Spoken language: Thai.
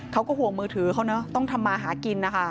เขาก็ห่วงมือถือเขาเนอะต้องทำมาหากินนะคะ